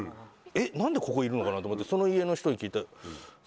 何でここにいるのかなと思ってその家の人に聞いたら。